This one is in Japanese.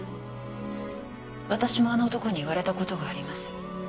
私もあの男に言われたことがあります